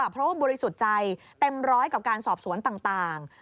เพราะว่าบริสุทธิ์ใจเต็มร้อยกับการสอบสวนต่าง